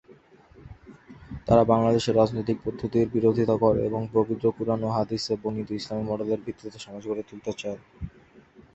তারা বাংলাদেশের রাজনৈতিক পদ্ধতির বিরোধিতা করে এবং পবিত্র কুরআন ও হাদিসে বর্ণিত ইসলামি মডেলের ভিত্তিতে সমাজ গড়ে তুলতে চায়।